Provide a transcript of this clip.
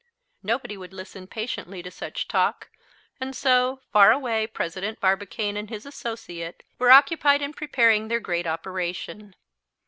Nobody would listen patiently to such talk. And so, far away President Barbicane and his associate were occupied in preparing their great operation.